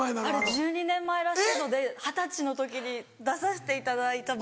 １２年前らしいので二十歳の時に出させていただいたぶり。